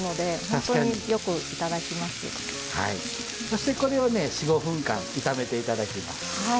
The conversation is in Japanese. そしてこれをね４５分間炒めて頂きます。